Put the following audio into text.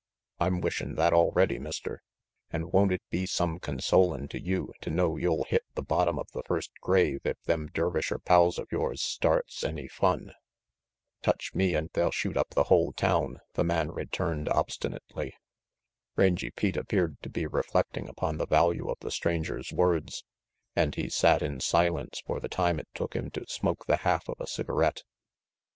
"I'm wishin' that already, Mister. An 5 won't it be some consolin' to you to know you'll hit the bottom of the first grave if them Dervisher pals of yours starts any fun?" "Touch me, and they'll shoot up the whole town," the man returned obstinately. Rangy Pete appeared to be reflecting upon the value of the stranger's words, and he sat in silence for the time it took him to smoke the half of a cigarette.